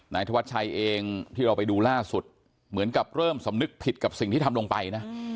ธวัดชัยเองที่เราไปดูล่าสุดเหมือนกับเริ่มสำนึกผิดกับสิ่งที่ทำลงไปนะ